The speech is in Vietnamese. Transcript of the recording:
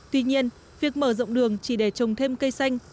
tuy nhiên việc mở rộng đường chỉ để trồng thêm cây xanh